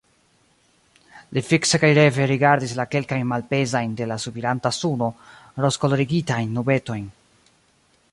Li fikse kaj reve rigardis la kelkajn malpezajn de la subiranta suno rozkolorigitajn nubetojn.